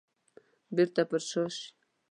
بيرته پر شا شي.